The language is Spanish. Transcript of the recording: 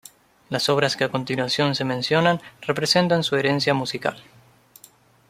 Las obras que a continuación se mencionan representan su herencia musical.